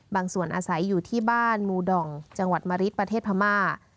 ส่วนอาศัยอยู่ที่บ้านมูดองจังหวัดมะริดประเทศพม่า